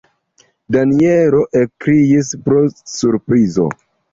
Danjelo ekkriis pro surprizo.